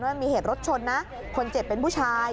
มันมีเหตุรถชนนะคนเจ็บเป็นผู้ชาย